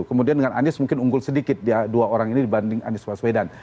kemudian dengan anies mungkin unggul sedikit ya dua orang ini dibanding anies waswedan